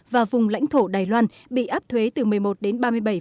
và vùng lãnh thổ đài loan bị áp thuế từ một mươi một đến ba mươi bảy